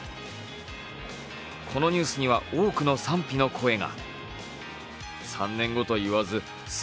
このニュースには多くの賛否の声が。